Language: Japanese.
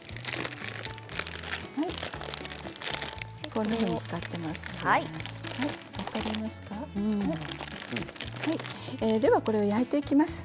こんなふうに漬かっています。